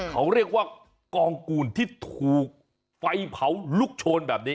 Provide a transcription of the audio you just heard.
เขาเรียกว่ากองกูลที่ถูกไฟเผาลุกโชนแบบนี้